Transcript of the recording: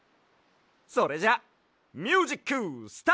それじゃあミュージックスタート！